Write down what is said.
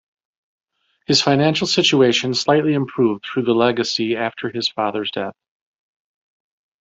His financial situation slightly improved through the legacy after his father's death.